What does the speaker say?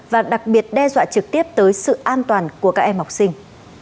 và đặc biệt đe dọa trực tiếp tới sự an toàn của các em học sinh